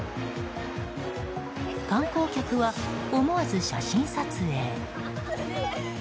観光客は思わず写真撮影。